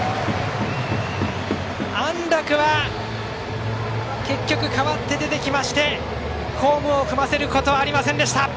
安樂は、結局代わって出てきましてホームを踏ませることはありませんでした。